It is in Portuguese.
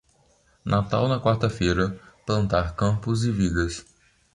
Natal na quarta-feira, plantar campos e vigas.